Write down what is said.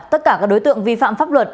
tất cả các đối tượng vi phạm pháp luật